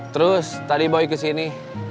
terus tadi boy ke sini